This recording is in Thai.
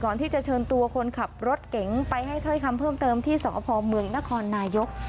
ที่จะเชิญตัวคนขับรถเก๋งไปให้ถ้อยคำเพิ่มเติมที่สพเมืองนครนายก